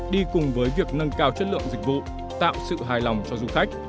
đi cùng với việc nâng cao chất lượng dịch vụ tạo sự hài lòng cho du khách